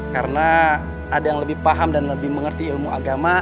karena ada yang lebih paham dan lebih mengerti ilmu agama